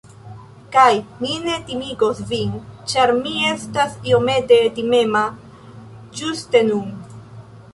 Kaj mi ne timigos vin ĉar mi estas iomete timema ĝuste nun.